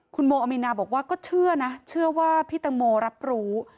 คุณโมอามีนาบอกว่าก็เชื่อนะเชื่อว่าพี่ตังโมรับรู้